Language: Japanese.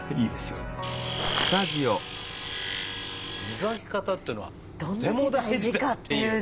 磨き方というのはとても大事だっていう。